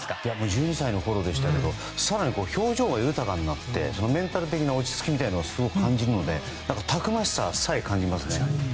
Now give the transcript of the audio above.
１２歳のころでしたけど更に表情が豊かになってメンタル的な落ち着きをすごく感じるのでたくましささえ感じますね。